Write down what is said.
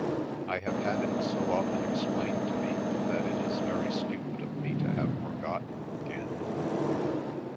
I have had it so often explained to me that it is very stupid of me to have forgotten again."